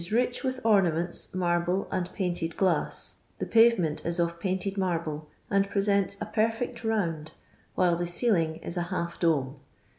rich with omamenta, narble, and painted glaM ; the payement is of painted marUe, and presents a perfect round, while the ceiling is a half dome.